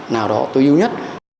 nào đó tối ưu nhất